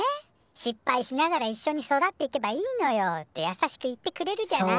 失敗しながらいっしょに育っていけばいいのよ」ってやさしく言ってくれるじゃない？